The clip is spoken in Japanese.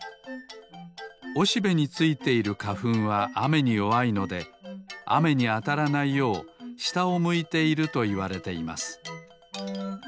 おしべについているかふんはあめによわいのであめにあたらないようしたをむいているといわれています。